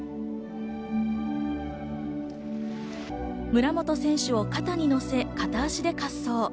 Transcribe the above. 村元選手を肩に乗せ、片足で滑走。